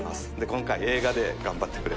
今回映画で頑張ってくれます。